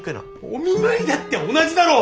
お見舞いだって同じだろ。